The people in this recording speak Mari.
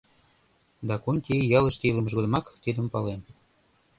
Дакунти ялыште илымыж годымак тидым пален.